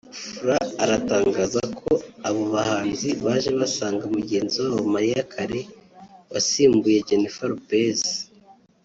fr aratangaza ko abo bahanzi baje basanga mugenzi wabo Mariah Carey wasimbuye Jennifer Lopez